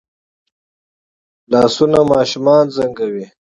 لاسونه ماشومان زنګوي